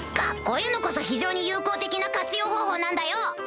こういうのこそ非常に有効的な活用方法なんだよ！